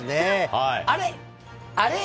あれ？